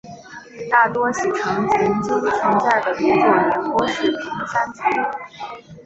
大多喜城曾经存在的一座连郭式平山城。